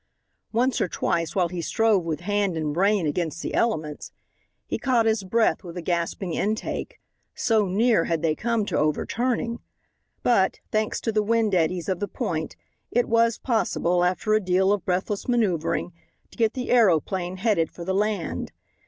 Once or twice, while he strove with hand and brain against the elements, he caught his breath with a gasping intake so near had they come to overturning. But, thanks to the wind eddies of the point, it was possible, after a deal of breathless maneuvering, to get the aeroplane headed for the land.